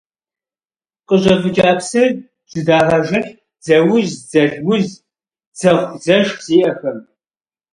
Къыщӏэвыкӏа псыр жьэдагъэжыхь дзэуз, дзэлуз, дзэхъу-дзэшх зиӏэхэм.